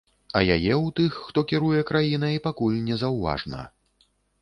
А яе ў тых, хто кіруе краінай, пакуль не заўважна.